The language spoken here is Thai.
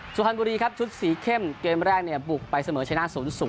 สุพรรณบุรีครับชุดสีเข้มเกมแรกเนี่ยบุกไปเสมอชนะ๐๐